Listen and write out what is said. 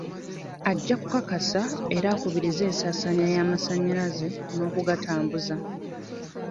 Ajja kukakasa era akubirize ensaasaanya y'amasanyalaze n'okugatambuza.